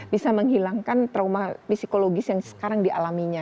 bisa menghilangkan trauma psikologis yang sekarang dialaminya